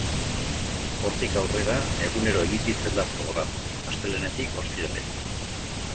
Hortik aurrera, egunero emititzen da programa, astelehenetik ostiralera.